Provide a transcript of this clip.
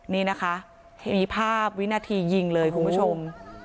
นี่นะคะมีภาพวินาทียิงเลยคุณผู้ชม